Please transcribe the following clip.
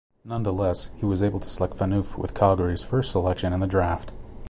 Nonetheless, he was able to select Phaneuf with Calgary's first selection in the draft.